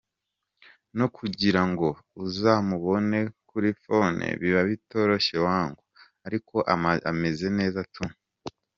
No kugira ngo uzamubone kuri phone biba bitoroshye wangu, ariko ameze neza tu”.